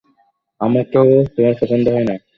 আমাকে তোমার পছন্দ হয় না?